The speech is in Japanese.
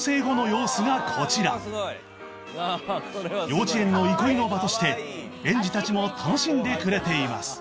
幼稚園の憩いの場として園児たちも楽しんでくれています